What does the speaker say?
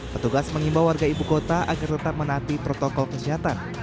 petugas mengimbau warga ibu kota agar tetap menaati protokol kesehatan